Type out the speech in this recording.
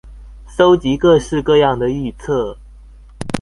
蒐集各式各樣的預測